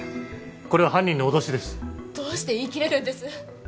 これは犯人の脅しですどうして言い切れるんです？